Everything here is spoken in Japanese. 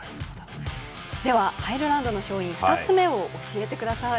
アイルランドの勝因２つ目を教えてください。